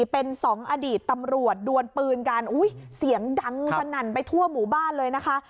เป็นสองอดีตตำรวจดวนปืนกันเสียงดังสนั่นไปทั่วหมู่บ้านเลยนะคะ